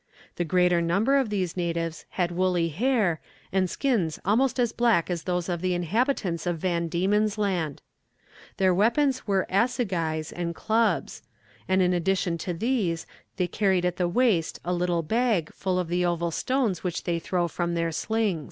The greater number of these natives had woolly hair, and skins almost as black as those of the inhabitants of Van Diemen's Land. Their weapons were assegais and clubs; and in addition to these they carried at the waist a little bag, full of the oval stones which they throw from their slings.